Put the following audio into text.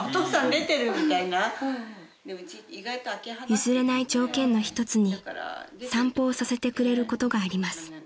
［譲れない条件の一つに散歩をさせてくれることがあります］